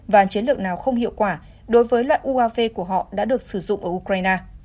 và chiến lược nào không hiệu quả đối với loại uav của họ đã được sử dụng ở ukraine